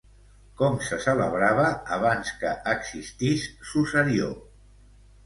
Com se celebrava, abans que existís Susarió?